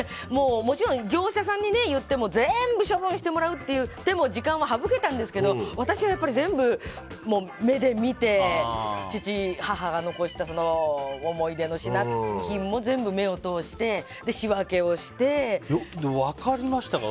もちろん業者さんに言っても全部、処分してもらうっていうのでも時間は省けたんですけど私は全部、目で見て父、母が残した思い出の品も全部目を通して分かりましたか？